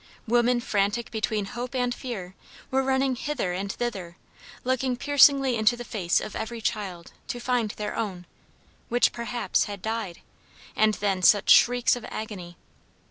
Women frantic between hope and fear, were running hither and thither, looking piercingly into the face of every child, to find their own, which, perhaps, had died and then such shrieks of agony!